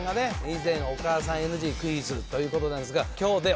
以前お母さんＮＧクイズということなんですが今日で。